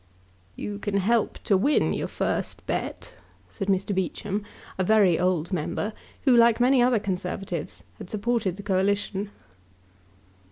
"You can help to win your first bet," said Mr. Beauchamp, a very old member, who, like many other Conservatives, had supported the Coalition.